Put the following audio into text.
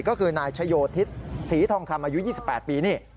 ก็คือนายชโยธิศศรีทองคำอายุ๒๘ปีนี่